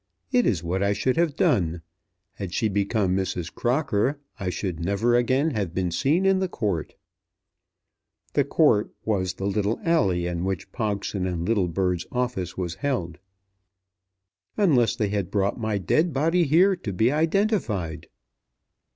"It is what I should have done. Had she become Mrs. Crocker, I should never again have been seen in the Court," "the Court" was the little alley in which Pogson and Littlebird's office was held, "unless they had brought my dead body here to be identified."